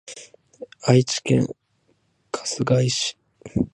愛知県春日井市